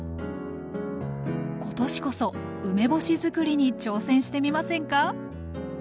今年こそ梅干しづくりに挑戦してみませんか？